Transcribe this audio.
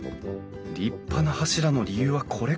立派な柱の理由はこれか。